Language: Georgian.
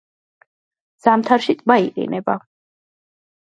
ზამთარში ტბა იყინება.